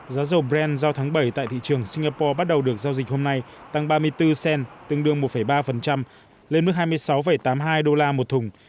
giá dầu brent giao tháng bảy tại thị trường singapore bắt đầu được giao dịch hôm nay tăng ba mươi bốn cent tương đương một ba lên mức hai mươi sáu tám mươi hai đô la một thùng